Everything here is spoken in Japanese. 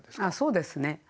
そうですね。